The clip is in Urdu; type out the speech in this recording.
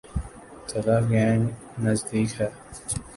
تلہ گنگ نزدیک ہے۔